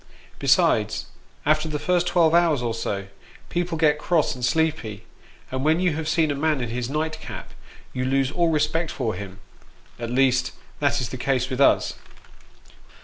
Besides, after the first twelve hours or so, people get cross and sleepy, and when you have seen a man in his nightcap, you lose all respect for him ; at least, that is the case with us.